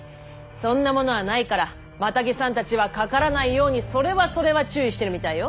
そんなものはないからマタギさんたちは「かからない」ようにそれはそれは注意してるみたいよ。